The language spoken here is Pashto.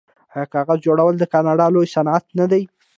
آیا کاغذ جوړول د کاناډا لوی صنعت نه دی؟